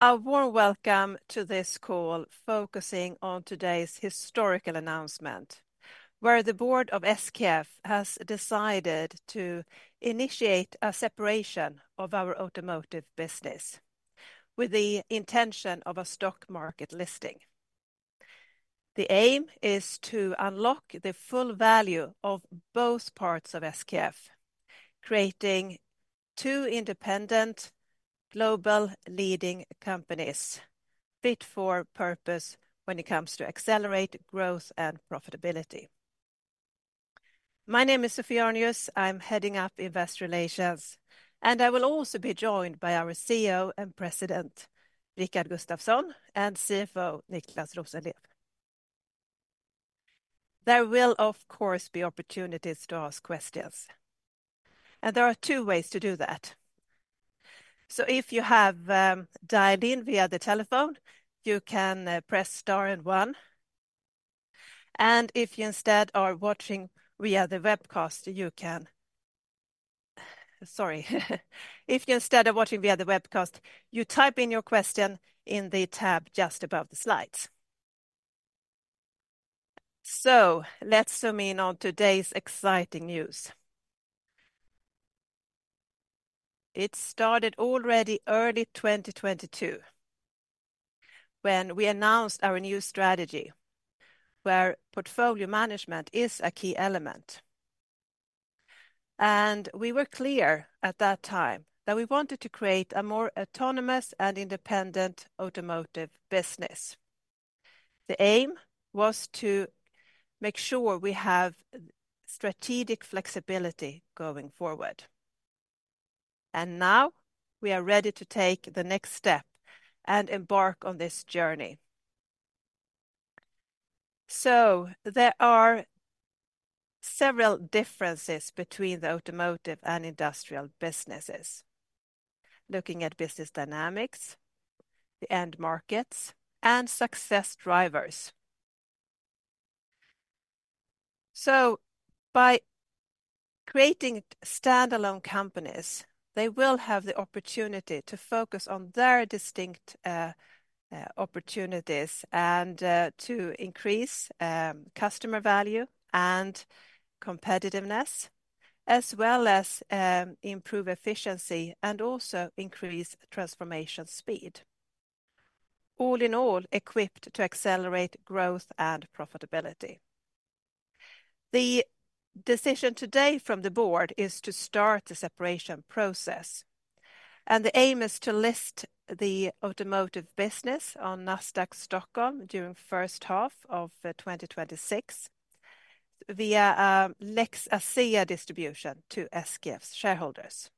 A warm welcome to this call focusing on today's historical announcement, where the board of SKF has decided to initiate a separation of our automotive business with the intention of a stock market listing. The aim is to unlock the full value of both parts of SKF, creating two independent, global leading companies, fit for purpose when it comes to accelerate growth and profitability. My name is Sophie Arnius. I'm heading up Investor Relations, and I will also be joined by our CEO and President, Rickard Gustafson, and CFO, Niclas Rosenlew. There will, of course, be opportunities to ask questions, and there are two ways to do that. So if you have dialed in via the telephone, you can press star and one. And if you instead are watching via the webcast, you can... Sorry. If you instead are watching via the webcast, you type in your question in the tab just above the slides, so let's zoom in on today's exciting news. It started already early 2022, when we announced our new strategy, where portfolio management is a key element, and we were clear at that time that we wanted to create a more autonomous and independent automotive business. The aim was to make sure we have strategic flexibility going forward, and now we are ready to take the next step and embark on this journey, so there are several differences between the automotive and industrial businesses, looking at business dynamics, the end markets, and success drivers. So by creating standalone companies, they will have the opportunity to focus on their distinct opportunities and to increase customer value and competitiveness, as well as improve efficiency and also increase transformation speed. All in all, equipped to accelerate growth and profitability. The decision today from the board is to start the separation process, and the aim is to list the automotive business on Nasdaq Stockholm during first half of 2026, via Lex Asea distribution to SKF's shareholders.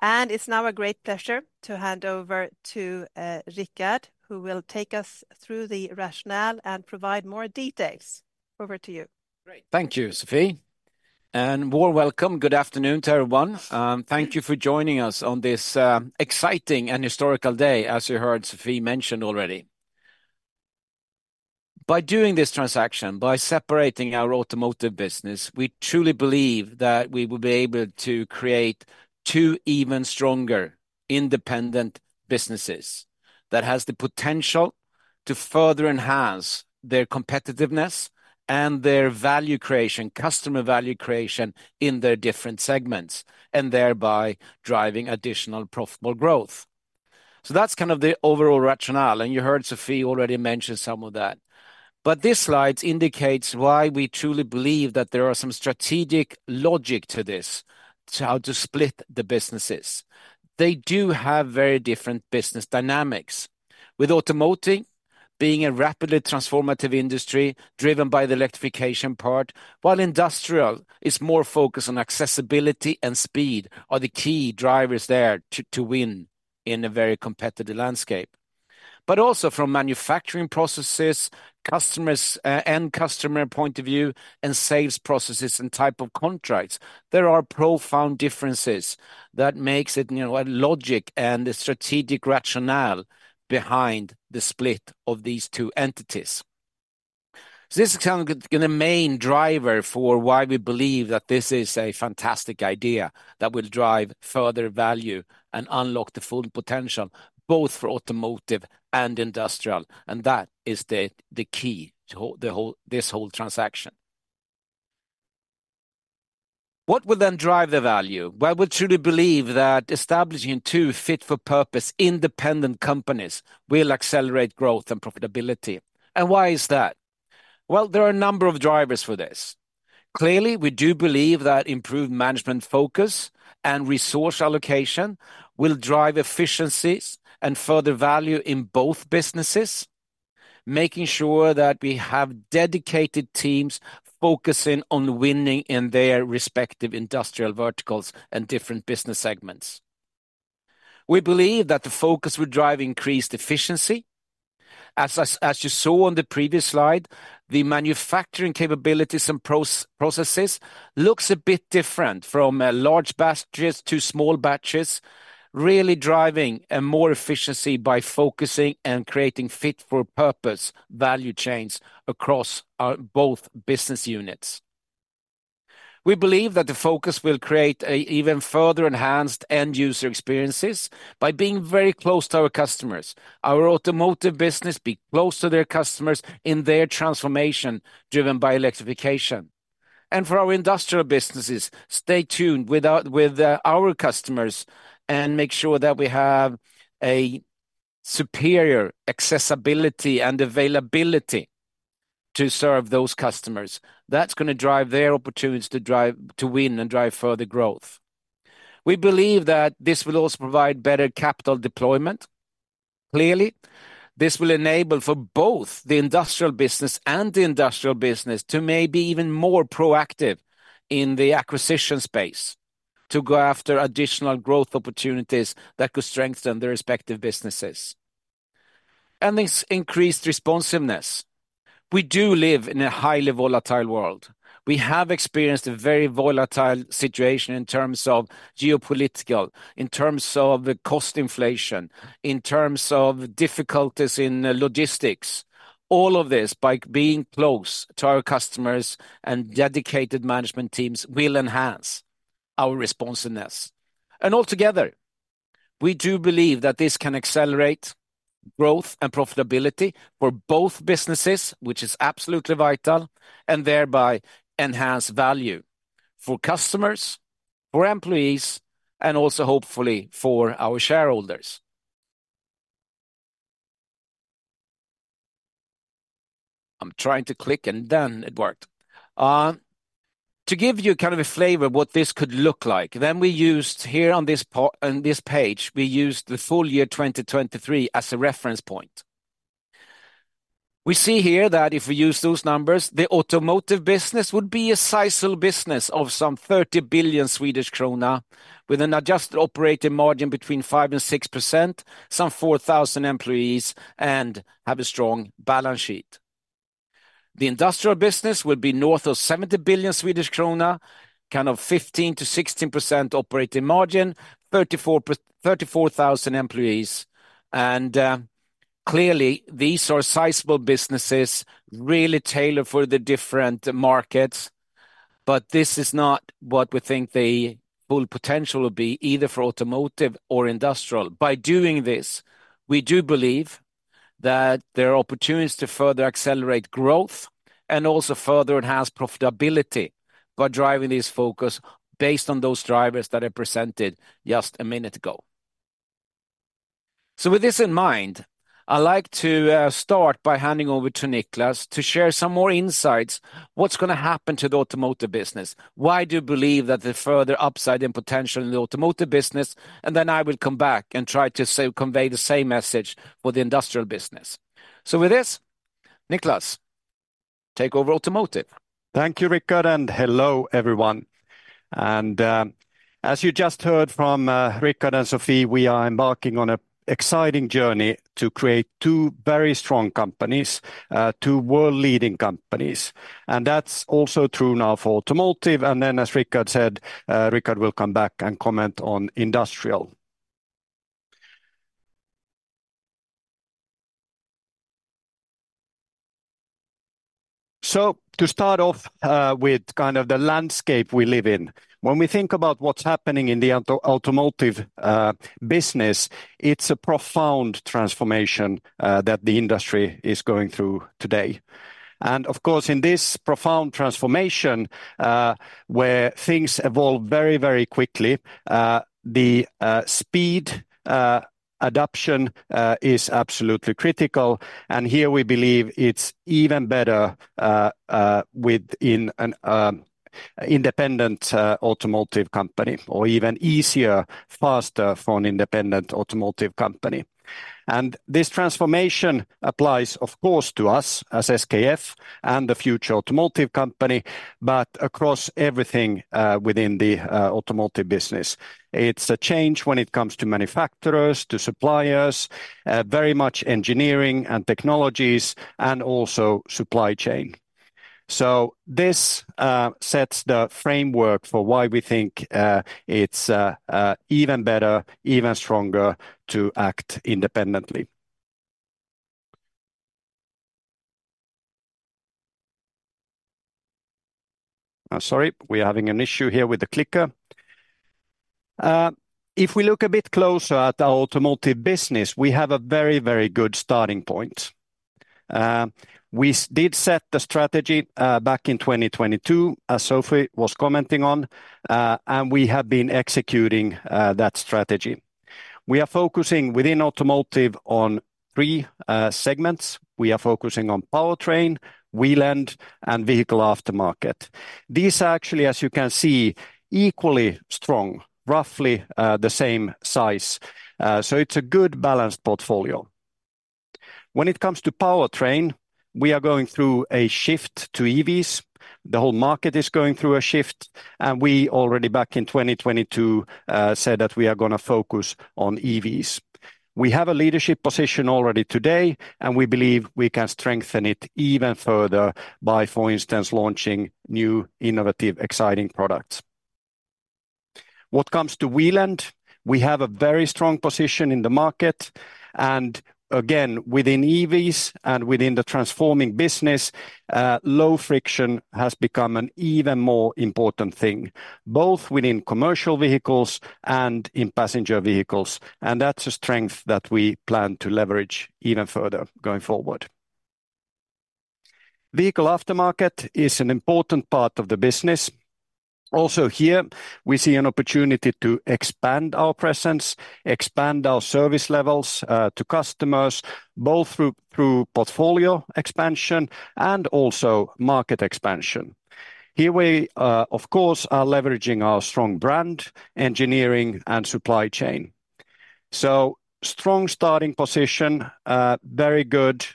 And it's now a great pleasure to hand over to Rickard, who will take us through the rationale and provide more details. Over to you. Great. Thank you, Sophie, and warm welcome. Good afternoon to everyone. Thank you for joining us on this exciting and historical day, as you heard Sophie mention already. By doing this transaction, by separating our automotive business, we truly believe that we will be able to create two even stronger, independent businesses that has the potential to further enhance their competitiveness and their value creation, customer value creation in their different segments, and thereby driving additional profitable growth, so that's kind of the overall rationale, and you heard Sophie already mention some of that, but this slide indicates why we truly believe that there are some strategic logic to this, to how to split the businesses. They do have very different business dynamics, with automotive being a rapidly transformative industry driven by the electrification part, while industrial is more focused on accessibility and speed are the key drivers there too, to win in a very competitive landscape. But also from manufacturing processes, customers, and customer point of view, and sales processes and type of contracts, there are profound differences that makes it, you know, a logic and a strategic rationale behind the split of these two entities. This is kind of the main driver for why we believe that this is a fantastic idea that will drive further value and unlock the full potential, both for automotive and industrial, and that is the key to the whole, this whole transaction. What will then drive the value? Well, we truly believe that establishing two fit-for-purpose independent companies will accelerate growth and profitability. And why is that? Well, there are a number of drivers for this. Clearly, we do believe that improved management focus and resource allocation will drive efficiencies and further value in both businesses, making sure that we have dedicated teams focusing on winning in their respective industrial verticals and different business segments. We believe that the focus will drive increased efficiency. As you saw on the previous slide, the manufacturing capabilities and processes looks a bit different from large batches to small batches, really driving a more efficiency by focusing and creating fit-for-purpose value chains across our both business units. We believe that the focus will create a even further enhanced end-user experiences by being very close to our customers. Our automotive business be close to their customers in their transformation, driven by electrification. For our industrial businesses, stay tuned with our customers, and make sure that we have a superior accessibility and availability to serve those customers. That's gonna drive their opportunities to win and drive further growth. We believe that this will also provide better capital deployment. Clearly, this will enable for both the industrial business to maybe even more proactive in the acquisition space, to go after additional growth opportunities that could strengthen their respective businesses. And this increased responsiveness. We do live in a highly volatile world. We have experienced a very volatile situation in terms of geopolitical, in terms of the cost inflation, in terms of difficulties in logistics. All of this, by being close to our customers and dedicated management teams, will enhance our responsiveness. Altogether, we do believe that this can accelerate growth and profitability for both businesses, which is absolutely vital, and thereby enhance value for customers, for employees, and also hopefully for our shareholders. I'm trying to click, and then it worked. To give you kind of a flavor of what this could look like, then we used here on this page, we used the full year 2023 as a reference point. We see here that if we use those numbers, the automotive business would be a sizable business of some 30 billion Swedish krona, with an adjusted operating margin between 5% and 6%, some 4,000 employees, and have a strong balance sheet. The industrial business will be north of 70 billion Swedish krona, kind of 15% to 16% operating margin, 34,000 employees. And, clearly, these are sizable businesses, really tailored for the different markets, but this is not what we think the full potential will be, either for automotive or industrial. By doing this, we do believe that there are opportunities to further accelerate growth and also further enhance profitability by driving this focus based on those drivers that I presented just a minute ago. So with this in mind, I'd like to start by handing over to Niclas to share some more insights. What's gonna happen to the automotive business? Why do you believe that the further upside and potential in the automotive business? And then I will come back and try to say, convey the same message for the industrial business. So with this, Niclas, take over automotive. Thank you, Rickard, and hello, everyone. And as you just heard from Rickard and Sophie, we are embarking on a exciting journey to create two very strong companies, two world-leading companies. And that's also true now for Automotive. And then, as Rickard said, Rickard will come back and comment on industrial. So to start off with kind of the landscape we live in, when we think about what's happening in the automotive business, it's a profound transformation that the industry is going through today. And of course, in this profound transformation, where things evolve very, very quickly, the speed adoption is absolutely critical. And here we believe it's even better in an independent automotive company, or even easier, faster for an independent automotive company. And this transformation applies, of course, to us as SKF and the future automotive company, but across everything within the automotive business. It's a change when it comes to manufacturers, to suppliers, very much engineering and technologies, and also supply chain. So this sets the framework for why we think it's even better, even stronger to act independently. I'm sorry, we are having an issue here with the clicker. If we look a bit closer at the automotive business, we have a very, very good starting point. We did set the strategy back in 2022, as Sophie was commenting on, and we have been executing that strategy. We are focusing within automotive on three segments. We are focusing on powertrain, wheel end, and vehicle aftermarket. These are actually, as you can see, equally strong, roughly, the same size, so it's a good, balanced portfolio. When it comes to powertrain, we are going through a shift to EVs. The whole market is going through a shift, and we already, back in 2022, said that we are gonna focus on EVs. We have a leadership position already today, and we believe we can strengthen it even further by, for instance, launching new, innovative, exciting products. What comes to Wheel end, we have a very strong position in the market, and again, within EVs and within the transforming business, low friction has become an even more important thing, both within commercial vehicles and in passenger vehicles. And that's a strength that we plan to leverage even further going forward. Vehicle aftermarket is an important part of the business. Also here, we see an opportunity to expand our presence, expand our service levels to customers, both through portfolio expansion and also market expansion. Here we, of course, are leveraging our strong brand, engineering, and supply chain. So strong starting position, very good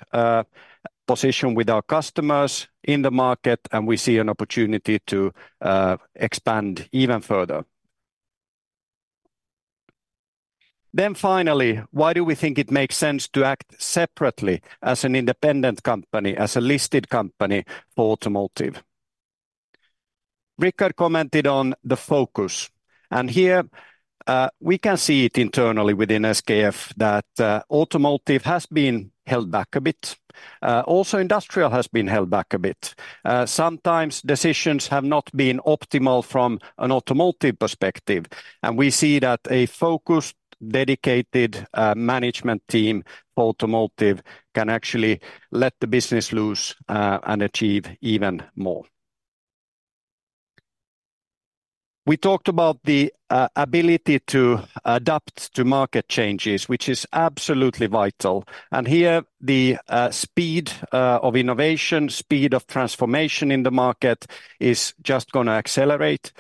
position with our customers in the market, and we see an opportunity to expand even further. Then finally, why do we think it makes sense to act separately as an independent company, as a listed company for Automotive? Rickard commented on the focus, and here, we can see it internally within SKF that Automotive has been held back a bit. Also Industrial has been held back a bit. Sometimes decisions have not been optimal from an Automotive perspective, and we see that a focused, dedicated management team for Automotive can actually let the business loose, and achieve even more. We talked about the ability to adapt to market changes, which is absolutely vital, and here the speed of innovation, speed of transformation in the market is just gonna accelerate,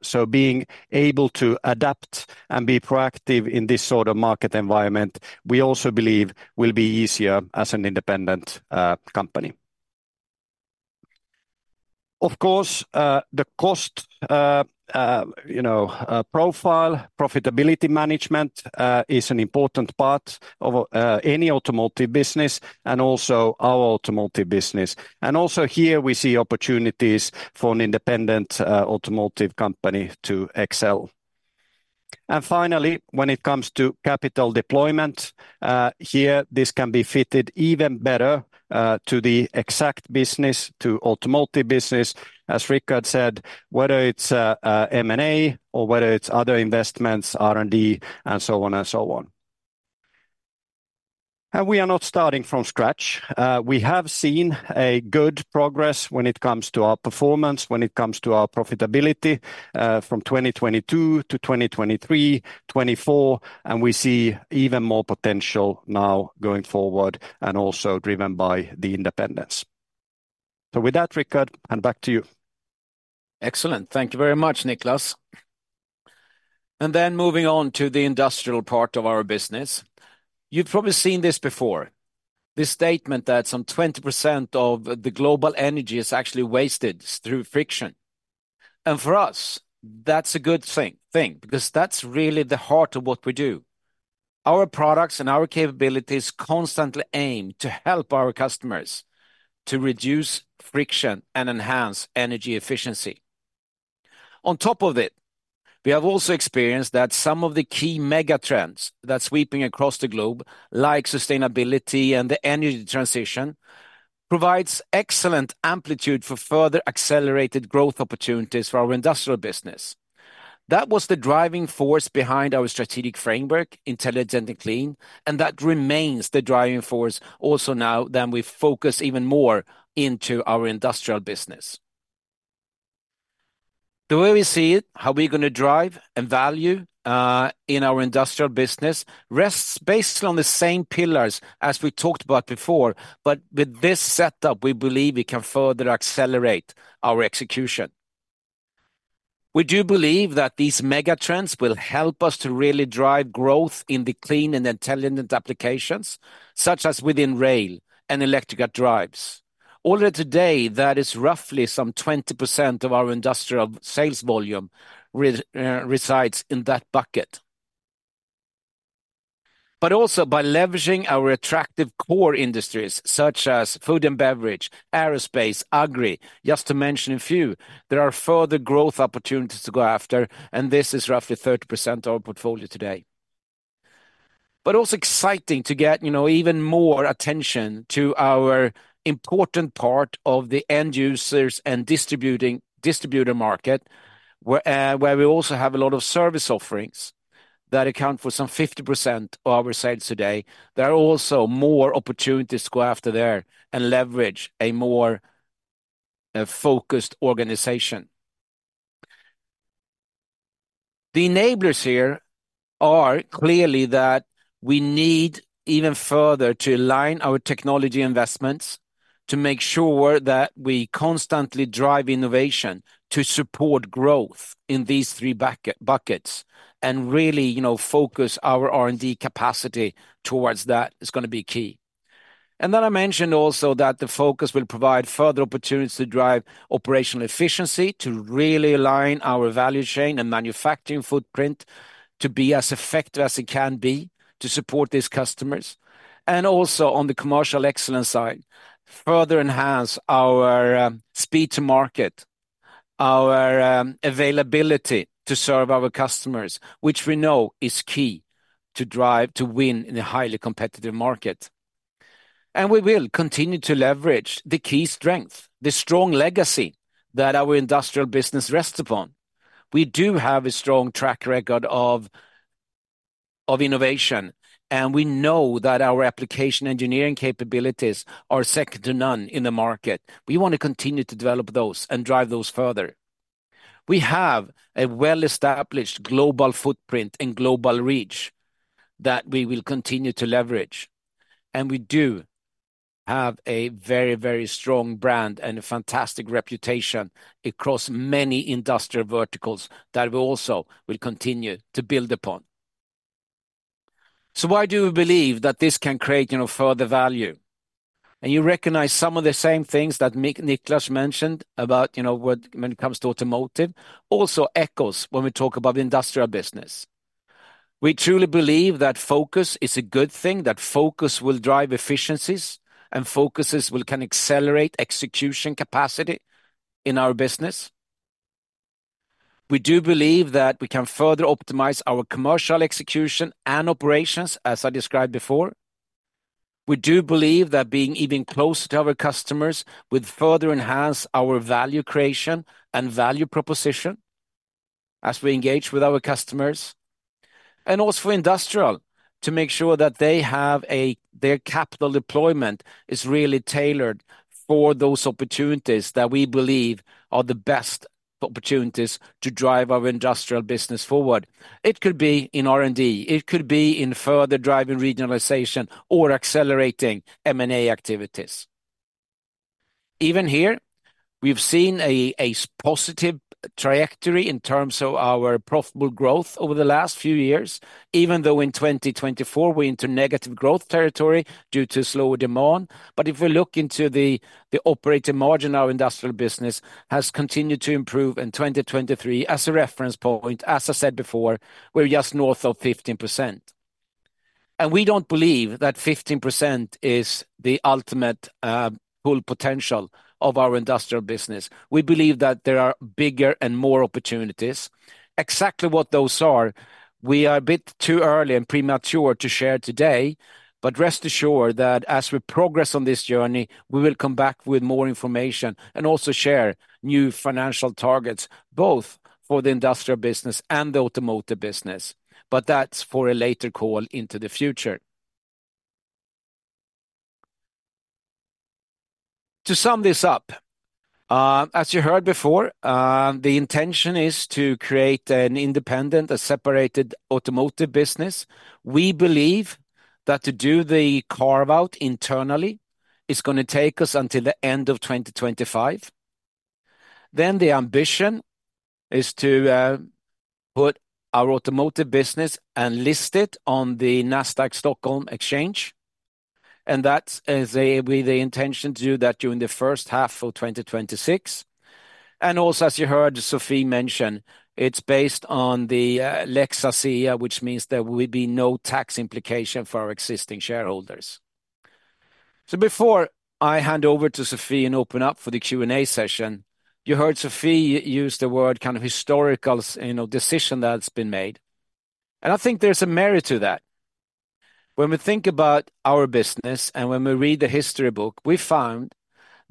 so being able to adapt and be proactive in this sort of market environment, we also believe will be easier as an independent company. Of course, the cost, you know, profile, profitability management is an important part of any Automotive business and also our Automotive business, and also here we see opportunities for an independent Automotive company to excel. And finally, when it comes to capital deployment, here, this can be fitted even better, to the exact business, to Automotive business, as Rickard said, whether it's, M&A or whether it's other investments, R&D, and so on and so on. And we are not starting from scratch. We have seen a good progress when it comes to our performance, when it comes to our profitability, from 2022 to 2023, 2024, and we see even more potential now going forward and also driven by the independence. So with that, Rickard, hand back to you. Excellent. Thank you very much, Niclas, and then moving on to the Industrial part of our business. You've probably seen this before, this statement that some 20% of the global energy is actually wasted through friction, and for us, that's a good thing, because that's really the heart of what we do. Our products and our capabilities constantly aim to help our customers to reduce friction and enhance energy efficiency. On top of it, we have also experienced that some of the key mega trends that's sweeping across the globe, like sustainability and the energy transition, provides excellent amplitude for further accelerated growth opportunities for our Industrial business. That was the driving force behind our strategic framework, Intelligent and Clean, and that remains the driving force also now that we focus even more into our Industrial business. The way we see it, how we're gonna drive and value in our Industrial business rests based on the same pillars as we talked about before, but with this setup, we believe we can further accelerate our execution. We do believe that these mega trends will help us to really drive growth in the clean and intelligent applications, such as within rail and electrical drives. Already today, that is roughly some 20% of our Industrial sales volume resides in that bucket. But also by leveraging our attractive core industries, such as Food and Beverage, Aerospace, Agri, just to mention a few, there are further growth opportunities to go after, and this is roughly 30% of our portfolio today. But also exciting to get, you know, even more attention to our important part of the end users and distributor market, where we also have a lot of service offerings that account for some 50% of our sales today. There are also more opportunities to go after there and leverage a more focused organization. The enablers here are clearly that we need even further to align our technology investments, to make sure that we constantly drive innovation to support growth in these three buckets, and really, you know, focus our R&D capacity towards that is gonna be key. And then I mentioned also that the focus will provide further opportunities to drive operational efficiency, to really align our value chain and manufacturing footprint, to be as effective as it can be to support these customers. And also on the commercial excellence side, further enhance our speed to market, our availability to serve our customers, which we know is key to drive, to win in a highly competitive market. We will continue to leverage the key strength, the strong legacy that our industrial business rests upon. We do have a strong track record of innovation, and we know that our application engineering capabilities are second to none in the market. We want to continue to develop those and drive those further. We have a well-established global footprint and global reach that we will continue to leverage, and we do have a very, very strong brand and a fantastic reputation across many industrial verticals that we also will continue to build upon. So why do we believe that this can create, you know, further value? You recognize some of the same things that Niclas mentioned about, you know, what, when it comes to automotive, also echoes when we talk about the industrial business. We truly believe that focus is a good thing, that focus will drive efficiencies, and focus can accelerate execution capacity in our business. We do believe that we can further optimize our commercial execution and operations, as I described before. We do believe that being even closer to our customers will further enhance our value creation and value proposition as we engage with our customers. Also for industrial, to make sure that their capital deployment is really tailored for those opportunities that we believe are the best opportunities to drive our industrial business forward. It could be in R&D, it could be in further driving regionalization or accelerating M&A activities. Even here, we've seen a positive trajectory in terms of our profitable growth over the last few years, even though in twenty twenty-four we entered negative growth territory due to slower demand, but if we look into the operating margin, our industrial business has continued to improve, in 2023, as a reference point, as I said before, we're just north of 15%, and we don't believe that 15% is the ultimate full potential of our industrial business. We believe that there are bigger and more opportunities. Exactly what those are, we are a bit too early and premature to share today, but rest assured that as we progress on this journey, we will come back with more information and also share new financial targets, both for the industrial business and the automotive business, but that's for a later call into the future. To sum this up, as you heard before, the intention is to create an independent, a separated automotive business. We believe that to do the carve-out internally is gonna take us until the end of 2025. Then the ambition is to put our automotive business and list it on the Nasdaq Stockholm exchange, and that's with the intention to do that during the first half of 2026. And also, as you heard Sophie mention, it's based on the Lex Asea, which means there will be no tax implication for our existing shareholders. So before I hand over to Sophie and open up for the Q&A session, you heard Sophie use the word kind of historical, you know, decision that's been made, and I think there's a merit to that. When we think about our business and when we read the history book, we found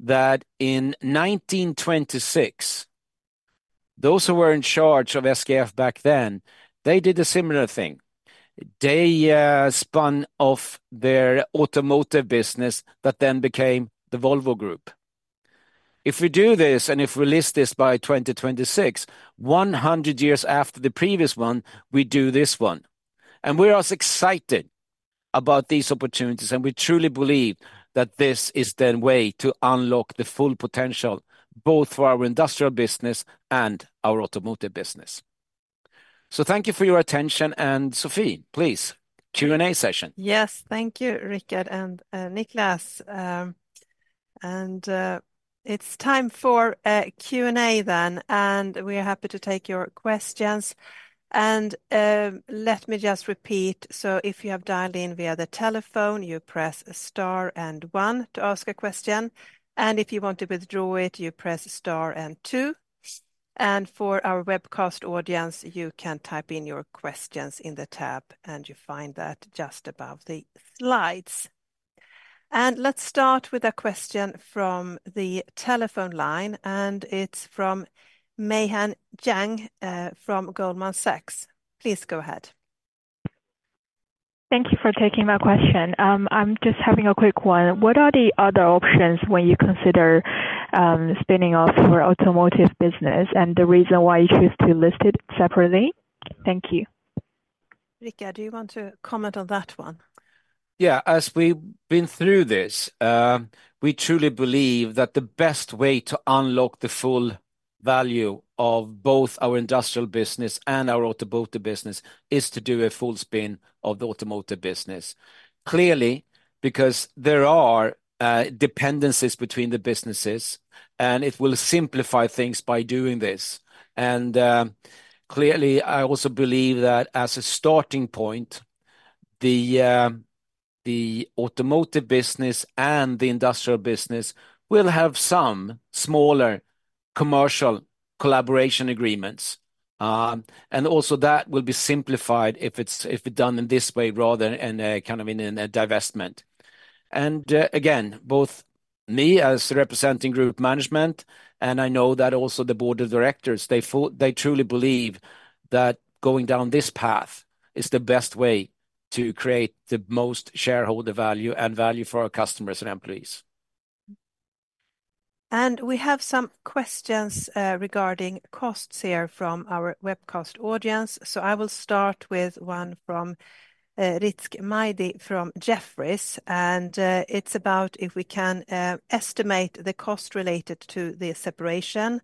that in 1926, those who were in charge of SKF back then, they did a similar thing. They spun off their automotive business that then became the Volvo Group. If we do this, and if we list this by 2026, one hundred years after the previous one, we do this one, and we're as excited about these opportunities, and we truly believe that this is the way to unlock the full potential, both for our industrial business and our automotive business. So thank you for your attention, and Sophie, please, Q&A session. Yes. Thank you, Rickard and Niclas. And it's time for a Q&A then, and we are happy to take your questions. And let me just repeat. So if you have dialed in via the telephone, you press star and one to ask a question, and if you want to withdraw it, you press star and two. And for our webcast audience, you can type in your questions in the tab, and you find that just above the slides. And let's start with a question from the telephone line, and it's from Meihan Jiang from Goldman Sachs. Please go ahead. Thank you for taking my question. I'm just having a quick one. What are the other options when you consider spinning off your automotive business and the reason why you choose to list it separately? Thank you. Rickard, do you want to comment on that one? Yeah. As we've been through this, we truly believe that the best way to unlock the full value of both our industrial business and our automotive business is to do a full spin of the automotive business. Clearly, because there are dependencies between the businesses, and it will simplify things by doing this. Clearly, I also believe that as a starting point, the automotive business and the industrial business will have some smaller commercial collaboration agreements, and also that will be simplified if it's done in this way rather than a kind of divestment. Again, both me as representing group management, and I know that also the board of directors, they truly believe that going down this path is the best way to create the most shareholder value and value for our customers and employees. We have some questions regarding costs here from our webcast audience. I will start with one from Rizk Maidi from Jefferies, and it's about if we can estimate the cost related to the separation,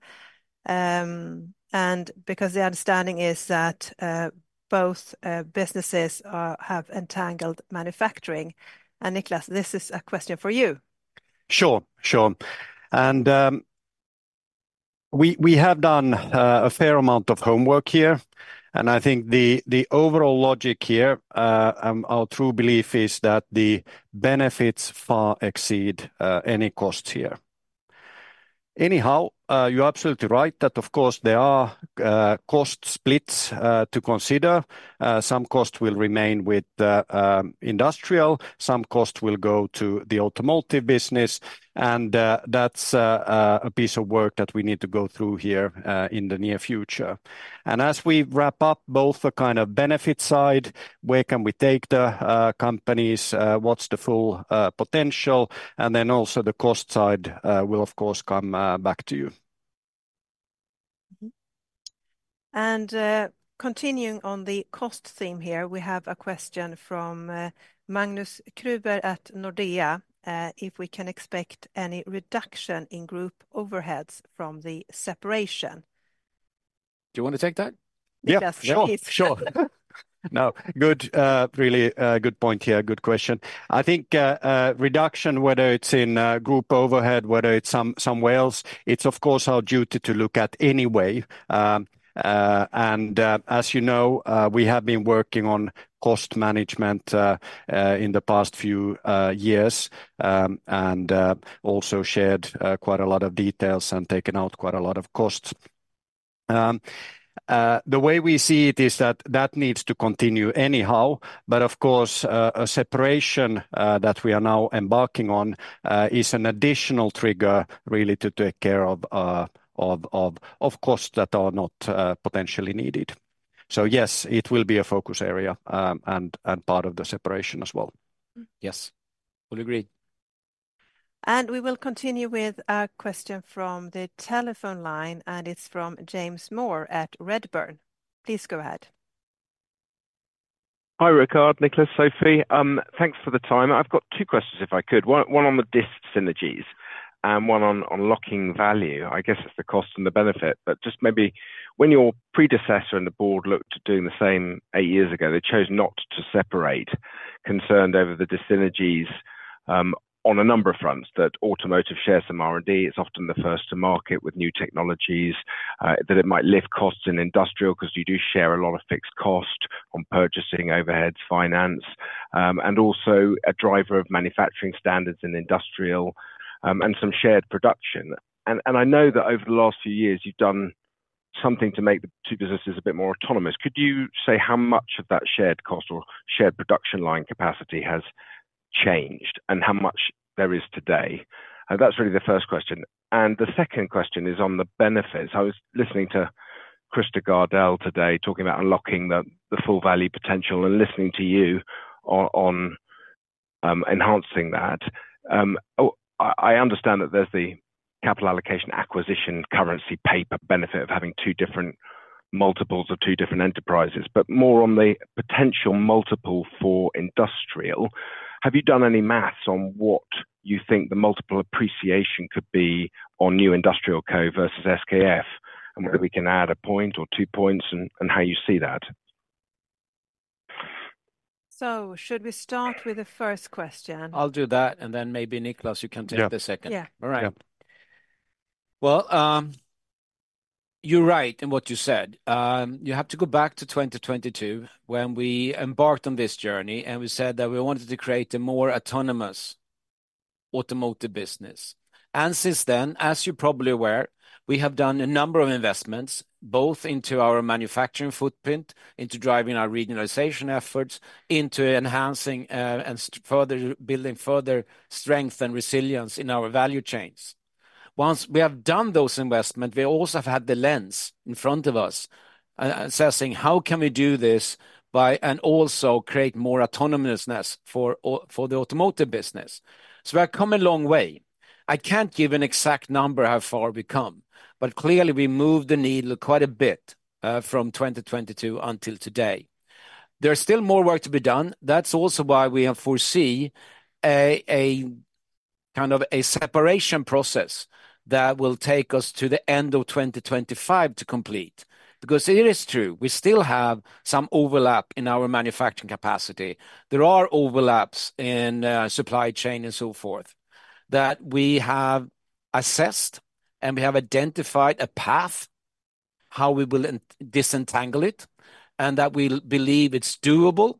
because the understanding is that both businesses have entangled manufacturing. Niclas, this is a question for you. Sure, sure, and we have done a fair amount of homework here, and I think the overall logic here, our true belief is that the benefits far exceed any costs here. Anyhow, you're absolutely right that of course, there are cost splits to consider. Some costs will remain with industrial, some costs will go to the automotive business, and that's a piece of work that we need to go through here in the near future, and as we wrap up both the kind of benefit side, where can we take the companies, what's the full potential, and then also the cost side, we'll of course come back to you. Mm-hmm. And, continuing on the cost theme here, we have a question from Magnus Kruber at Nordea if we can expect any reduction in group overheads from the separation? Do you want to take that? Yeah. Sure. Sure. No, good, really, good point here. Good question. I think, a reduction, whether it's in, group overhead, whether it's somewhere else, it's of course, our duty to look at anyway. As you know, we have been working on cost management, in the past few years, and also shared quite a lot of details and taken out quite a lot of costs. The way we see it is that that needs to continue anyhow, but of course, a separation that we are now embarking on is an additional trigger, really, to take care of costs that are not potentially needed. So yes, it will be a focus area, and part of the separation as well. Yes, would agree. And we will continue with a question from the telephone line, and it's from James Moore at Redburn. Please go ahead. Hi, Rickard, Niclas, Sophie. Thanks for the time. I've got two questions, if I could. One on the dis-synergies and one on unlocking value. I guess it's the cost and the benefit, but just maybe when your predecessor and the board looked at doing the same eight years ago, they chose not to separate, concerned over the dis-synergies, on a number of fronts, that automotive shares some R&D. It's often the first to market with new technologies, that it might lift costs in industrial, because you do share a lot of fixed cost on purchasing, overheads, finance, and also a driver of manufacturing standards in industrial, and some shared production. I know that over the last few years, you've done something to make the two businesses a bit more autonomous. Could you say how much of that shared cost or shared production line capacity has changed, and how much there is today? And that's really the first question. And the second question is on the benefits. I was listening to Christer Gardell today, talking about unlocking the full value potential and listening to you on enhancing that. Oh, I understand that there's the capital allocation, acquisition, currency, paper benefit of having two different multiples or two different enterprises, but more on the potential multiple for industrial. Have you done any math on what you think the multiple appreciation could be on new Industrial Co. versus SKF, and whether we can add a point or two points, and how you see that? So should we start with the first question? I'll do that, and then maybe, Niclas, you can take the second. Yeah. Yeah. All right. Yeah. Well, you're right in what you said. You have to go back to 2022, when we embarked on this journey, and we said that we wanted to create a more autonomous automotive business. And since then, as you're probably aware, we have done a number of investments, both into our manufacturing footprint, into driving our regionalization efforts, into enhancing, and further, building further strength and resilience in our value chains. Once we have done those investment, we also have had the lens in front of us, assessing how can we do this by, and also create more autonomousness for the automotive business. So we have come a long way. I can't give an exact number how far we've come, but clearly, we moved the needle quite a bit, from 2022 until today. There is still more work to be done. That's also why we foresee a kind of separation process that will take us to the end of 2025 to complete. Because it is true, we still have some overlap in our manufacturing capacity. There are overlaps in supply chain and so forth, that we have assessed, and we have identified a path to how we will disentangle it, and that we believe it's doable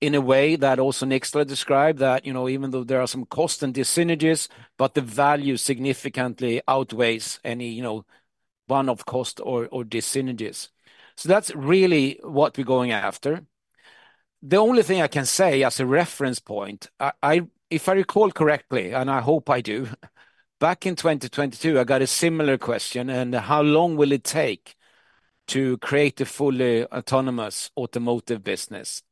in a way that also Niclas described, that, you know, even though there are some cost and dis-synergies, but the value significantly outweighs any, you know, one of cost or dis-synergies. So that's really what we're going after. The only thing I can say as a reference point, I if I recall correctly, and I hope I do, back in 2022, I got a similar question, and how long will it take to create a fully autonomous automotive business?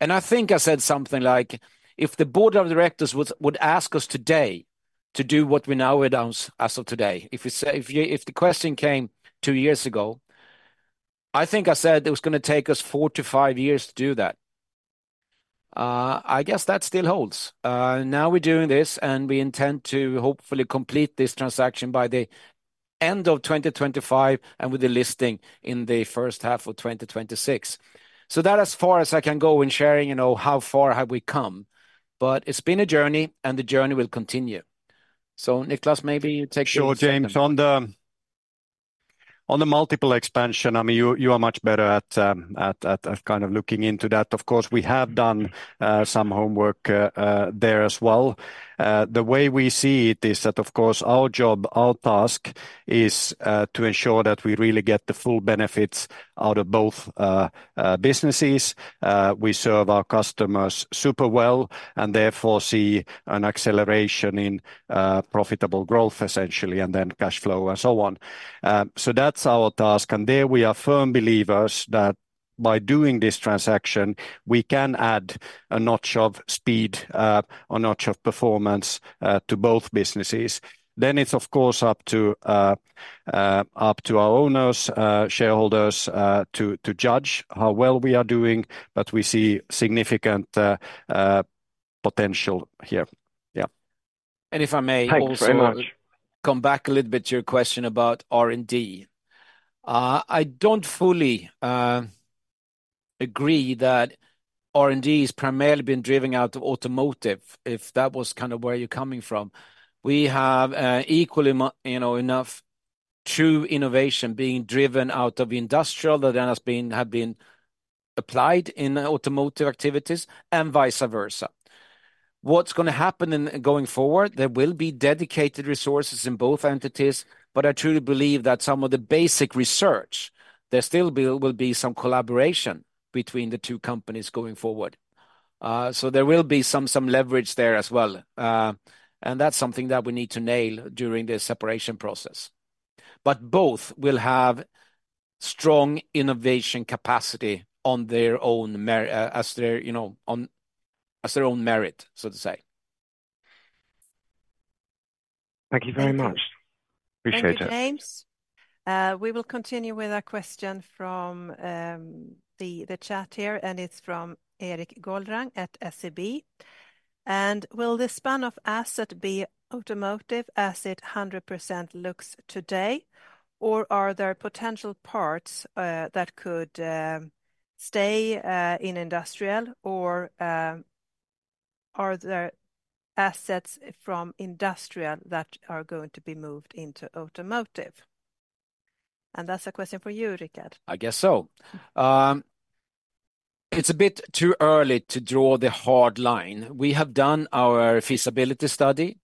And I think I said something like, "If the board of directors would ask us today to do what we now announce as of today," if we say. If the question came two years ago, I think I said it was gonna take us four to five years to do that. I guess that still holds. Now we're doing this, and we intend to hopefully complete this transaction by the end of 2025, and with the listing in the first half of 2026. So that as far as I can go in sharing, you know, how far have we come. But it's been a journey, and the journey will continue. So, Niclas, maybe you take the next step. Sure, James. On the multiple expansion, I mean, you are much better at kind of looking into that. Of course, we have done some homework there as well. The way we see it is that, of course, our job, our task, is to ensure that we really get the full benefits out of both businesses. We serve our customers super well, and therefore see an acceleration in profitable growth, essentially, and then cash flow, and so on. So that's our task, and there we are firm believers that by doing this transaction, we can add a notch of speed, a notch of performance, to both businesses. Then it's, of course, up to our owners, shareholders, to judge how well we are doing, but we see significant potential here. Yeah. If I may also... Thank you very much. come back a little bit to your question about R&D. I don't fully agree that R&D has primarily been driven out of automotive, if that was kind of where you're coming from. We have equally, you know, enough true innovation being driven out of industrial that then has been applied in automotive activities, and vice versa. What's gonna happen in going forward, there will be dedicated resources in both entities, but I truly believe that some of the basic research, there still will be some collaboration between the two companies going forward. So there will be some leverage there as well. And that's something that we need to nail during the separation process. But both will have strong innovation capacity on their own merit, you know, so to say. Thank you very much. Thank you. Appreciate it. Thank you, James. We will continue with a question from the chat here, and it's from Erik Golrang at SEB. And will the span of assets be automotive as it 100% looks today, or are there potential parts that could stay in industrial? Or are there assets from industrial that are going to be moved into automotive? And that's a question for you, Rickard. I guess so. It's a bit too early to draw the hard line. We have done our feasibility study.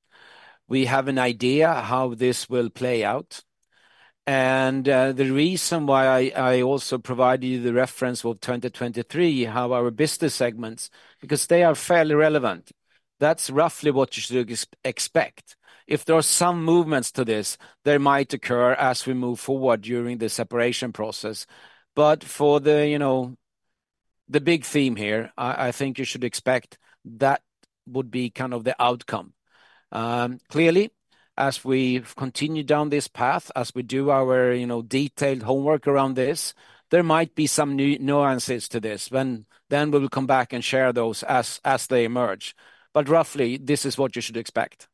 We have an idea how this will play out, and the reason why I also provided you the reference of 2023, how our business segments, because they are fairly relevant. That's roughly what you should expect. If there are some movements to this, they might occur as we move forward during the separation process, but for the, you know, the big theme here, I think you should expect that would be kind of the outcome. Clearly, as we've continued down this path, as we do our, you know, detailed homework around this, there might be some new nuances to this. Then we will come back and share those as they emerge, but roughly, this is what you should expect.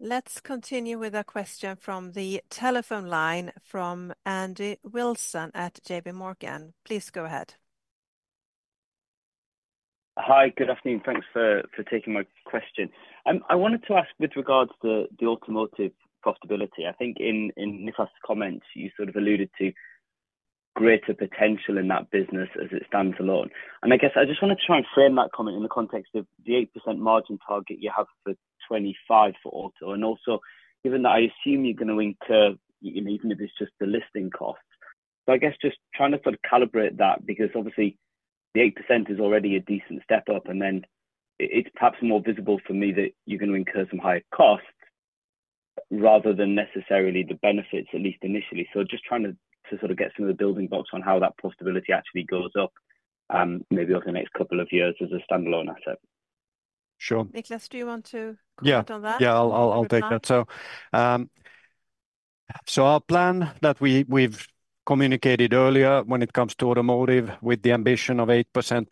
Let's continue with a question from the telephone line from Andy Wilson at JPMorgan. Please go ahead. Hi, good afternoon. Thanks for taking my question. I wanted to ask with regards to the automotive profitability. I think in Niclas' comments, you sort of alluded to greater potential in that business as it stands alone, and I guess I just want to try and frame that comment in the context of the 8% margin target you have for 2025 for auto, and also, given that I assume you're gonna incur, you know, even if it's just the listing cost, so I guess just trying to sort of calibrate that, because obviously, the 8% is already a decent step up, and then it's perhaps more visible for me that you're gonna incur some higher costs, rather than necessarily the benefits, at least initially. So just trying to sort of get some of the building blocks on how that profitability actually goes up, maybe over the next couple of years as a standalone asset. Sure. Niclas, do you want to comment on that? Yeah. Yeah, I'll take that. Okay. Our plan that we've communicated earlier when it comes to automotive, with the ambition of 8%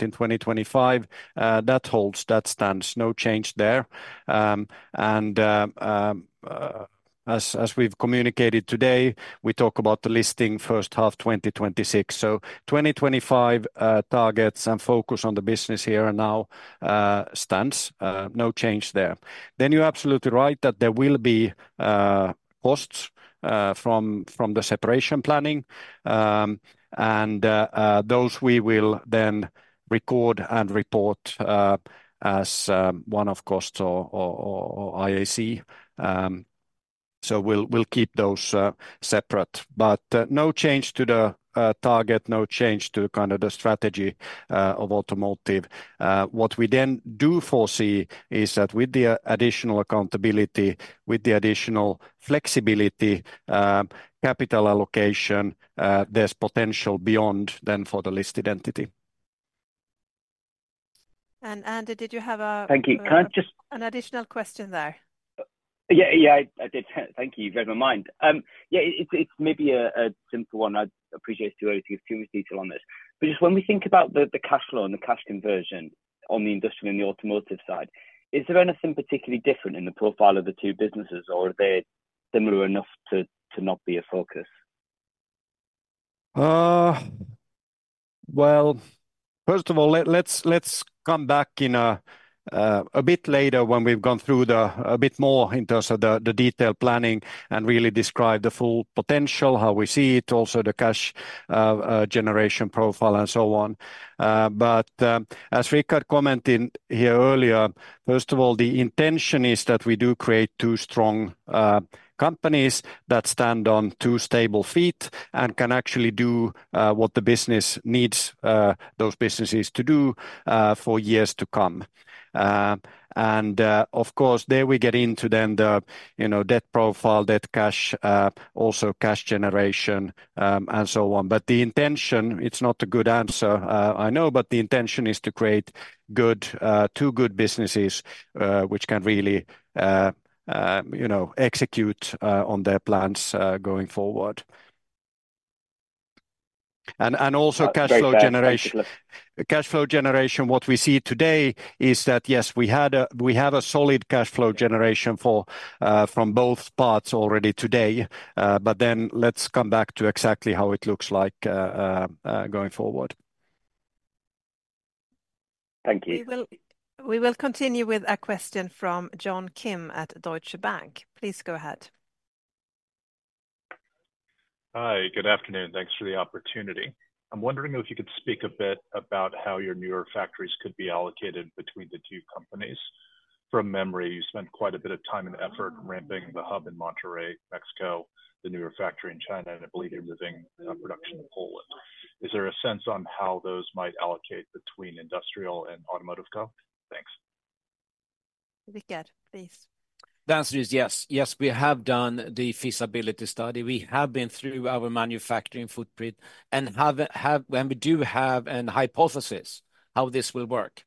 in 2025, that holds, that stands. No change there. As we've communicated today, we talk about the listing first half 2026. 2025 targets and focus on the business here and now stands. No change there. You're absolutely right that there will be costs from the separation planning. Those we will then record and report as one-off costs or IAC. We'll keep those separate. No change to the target, no change to kind of the strategy of automotive. What we then do foresee is that with the additional accountability, with the additional flexibility, capital allocation, there's potential beyond then for the listed entity. And Andy, did you have a Thank you. Can I just An additional question there? I did. Thank you. You read my mind. It's maybe a simple one. I'd appreciate to give too much detail on this. But just when we think about the cash flow and the cash conversion on the industrial and the automotive side, is there anything particularly different in the profile of the two businesses, or are they similar enough to not be a focus? Well, first of all, let's come back in a bit later when we've gone through a bit more in terms of the detailed planning and really describe the full potential, how we see it, also the cash generation profile, and so on. But as Rickard commented here earlier, first of all, the intention is that we do create two strong companies that stand on two stable feet and can actually do what the business needs those businesses to do for years to come. And of course, there we get into then the, you know, debt profile, debt cash, also cash generation, and so on. But the intention, it's not a good answer, I know, but the intention is to create two good businesses, which can really, you know, execute on their plans going forward. And also cash flow generation- Great. Thanks. Cash flow generation, what we see today is that, yes, we have a solid cash flow generation for, from both parts already today. But then let's come back to exactly how it looks like, going forward. Thank you. We will continue with a question from John Kim at Deutsche Bank. Please go ahead. Hi, good afternoon. Thanks for the opportunity. I'm wondering if you could speak a bit about how your newer factories could be allocated between the two companies. From memory, you spent quite a bit of time and effort ramping the hub in Monterrey, Mexico, the newer factory in China, and I believe you're moving production to Poland. Is there a sense on how those might allocate between industrial and Automotive Co? Thanks. Rickard, please. The answer is yes. Yes, we have done the feasibility study. We have been through our manufacturing footprint, and we do have a hypothesis how this will work,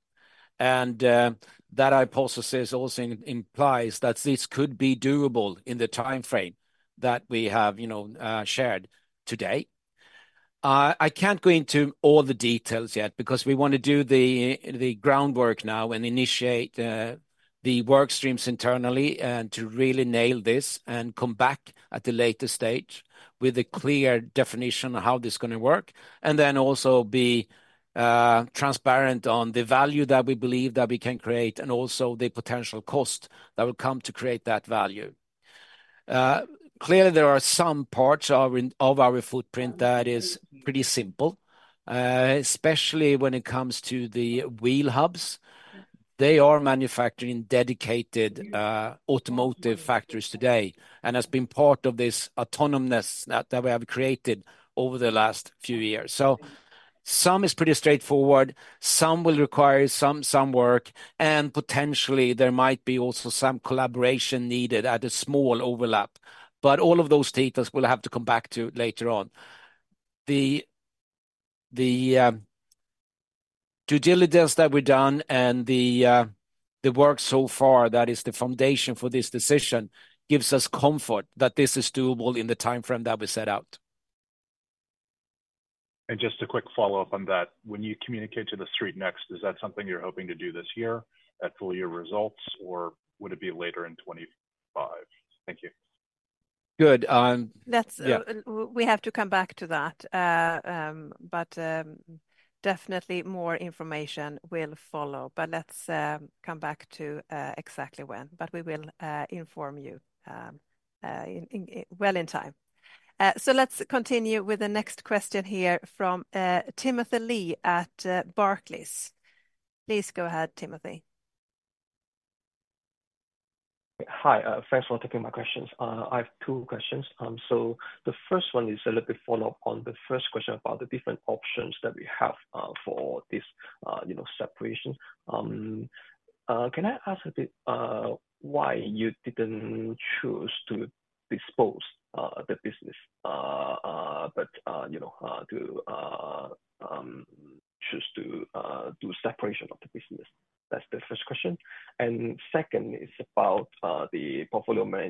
and that hypothesis also implies that this could be doable in the time frame that we have, you know, shared today. I can't go into all the details yet, because we want to do the groundwork now and initiate the work streams internally and to really nail this and come back at a later stage with a clear definition of how this is gonna work, and then also be transparent on the value that we believe that we can create, and also the potential cost that will come to create that value. Clearly, there are some parts of our footprint that is pretty simple, especially when it comes to the wheel hubs. They are manufacturing dedicated automotive factories today, and has been part of this autonomy that we have created over the last few years. So some is pretty straightforward, some will require some work, and potentially there might be also some collaboration needed at a small overlap. But all of those details we'll have to come back to later on. The due diligence that we've done and the work so far, that is the foundation for this decision, gives us comfort that this is doable in the timeframe that we set out. Just a quick follow-up on that. When you communicate to the street next, is that something you're hoping to do this year at full-year results, or would it be later in 2025? Thank you. Good. Yeah. That's... We have to come back to that. But definitely more information will follow. But let's come back to exactly when. But we will inform you in well in time. So let's continue with the next question here from Timothy Lee at Barclays. Please go ahead, Timothy. Hi. Thanks for taking my questions. I have two questions. So the first one is a little bit follow-up on the first question about the different options that we have for this, you know, separation. Can I ask a bit why you didn't choose to dispose the business, but you know to choose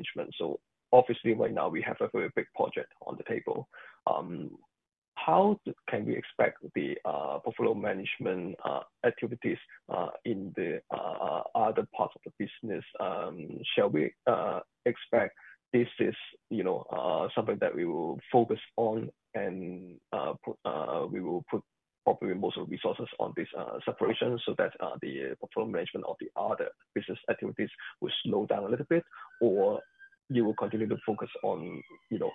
to do separation of the business? That's the first question. And second is about the portfolio management. So obviously, right now, we have a very big project on the table. How can we expect the portfolio management activities in the other parts of the business? Shall we expect this is, you know, something that we will focus on and we will put probably most of the resources on this separation so that the portfolio management of the other business activities will slow down a little bit? Or you will continue to focus on, you know,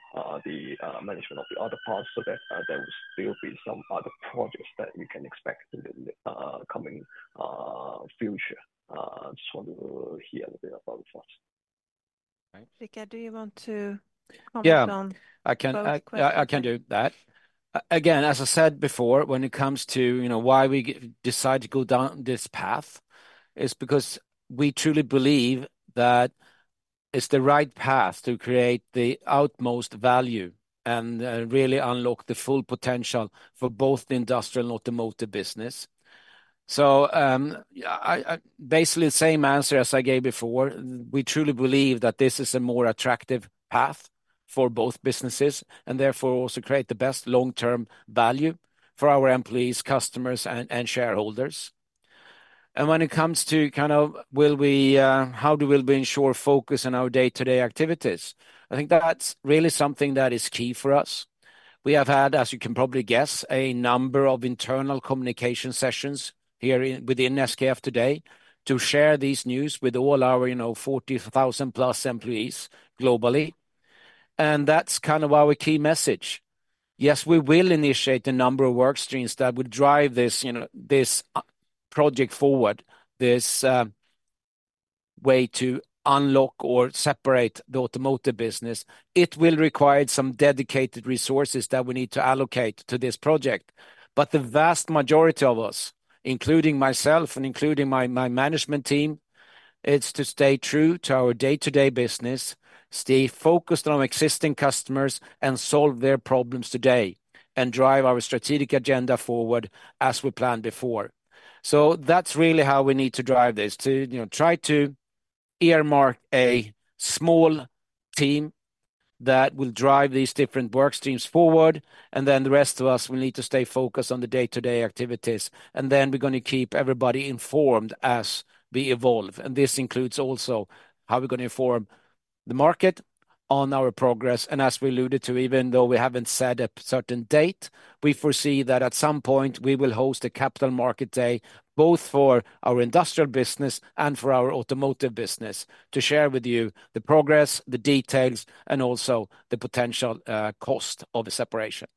the management of the other parts so that there will still be some other projects that we can expect in the coming future? Just want to hear a bit about your thoughts. Rickard, do you want to comment on- Yeah- Both questions? I can do that. Again, as I said before, when it comes to, you know, why we decide to go down this path, it's because we truly believe that it's the right path to create the utmost value and really unlock the full potential for both the industrial and automotive business, so yeah, basically the same answer as I gave before. We truly believe that this is a more attractive path for both businesses, and therefore also create the best long-term value for our employees, customers, and shareholders, and when it comes to kind of will we, how do we ensure focus on our day-to-day activities? I think that's really something that is key for us. We have had, as you can probably guess, a number of internal communication sessions here within SKF today to share these news with all our, you know, 40,000 plus employees globally, and that's kind of our key message. Yes, we will initiate a number of work streams that would drive this, you know, this project forward, this way to unlock or separate the automotive business. It will require some dedicated resources that we need to allocate to this project. But the vast majority of us, including myself and including my management team, it's to stay true to our day-to-day business, stay focused on existing customers and solve their problems today, and drive our strategic agenda forward as we planned before. So that's really how we need to drive this, to, you know, try to earmark a small team that will drive these different work streams forward, and then the rest of us will need to stay focused on the day-to-day activities. And then we're gonna keep everybody informed as we evolve, and this includes also how we're gonna inform the market on our progress. And as we alluded to, even though we haven't set a certain date, we foresee that at some point we will host a Capital Market Day, both for our industrial business and for our automotive business, to share with you the progress, the details, and also the potential cost of the separation.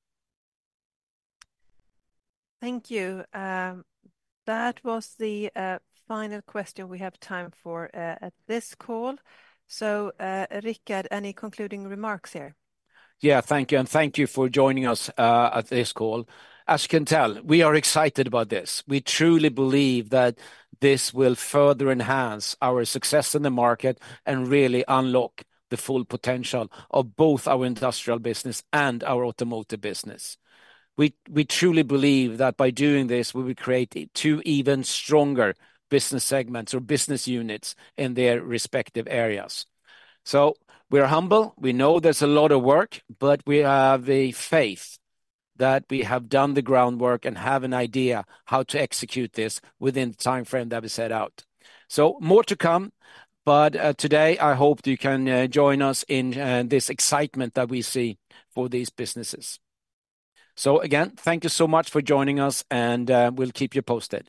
Thank you. That was the final question we have time for at this call. So, Rickard, any concluding remarks here? Yeah, thank you, and thank you for joining us at this call. As you can tell, we are excited about this. We truly believe that this will further enhance our success in the market and really unlock the full potential of both our industrial business and our automotive business. We truly believe that by doing this, we will create two even stronger business segments or business units in their respective areas. So we are humble. We know there's a lot of work, but we have a faith that we have done the groundwork and have an idea how to execute this within the timeframe that we set out. So more to come, but today I hope you can join us in this excitement that we see for these businesses. So again, thank you so much for joining us, and we'll keep you posted.